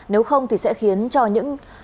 nếu không thì sẽ khiến cho những